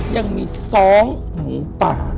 ยังมีซ้องหมูป่า